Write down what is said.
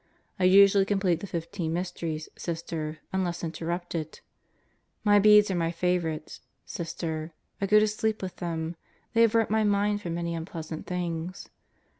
I usually complete the fifteen mysteries, Sister, unless interrupted. My Beads are my favorites, Sister. I go to sleep with them. They avert my mind from many unpleasant things.